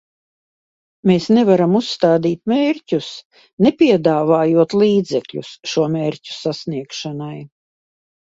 Mēs nevaram uzstādīt mērķus, nepiedāvājot līdzekļus šo mērķu sasniegšanai.